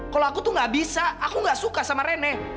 kalau aku tuh gak bisa aku gak suka sama rene